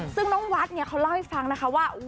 ซึ่งน้องวัดเล่าให้ฟังว่า